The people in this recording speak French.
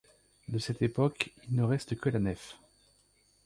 De cette époque, il ne reste que la nef.